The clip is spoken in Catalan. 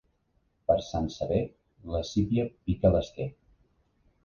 Per Sant Sever la sípia pica l'esquer.